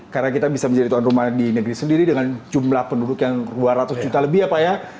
karena kita bisa menjadi tuan rumah di negeri sendiri dengan jumlah penduduk yang dua ratus juta lebih ya pak ya